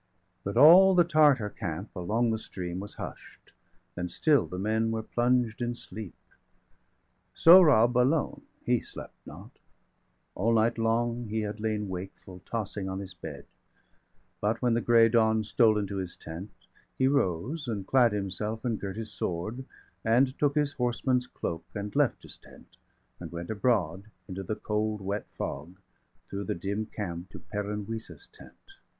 °2 But all the Tartar camp° along the stream °3 Was hush'd, and still the men were plunged in sleep; Sohrab alone, he slept not; all night long 5 He had lain wakeful, tossing on his bed; But when the grey dawn stole into his tent, He rose, and clad himself, and girt his sword, And took his horseman's cloak, and left his tent, And went abroad into the cold wet fog, 10 Through the dim camp to Peran Wisa's° tent.